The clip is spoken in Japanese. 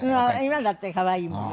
今だって可愛いもん。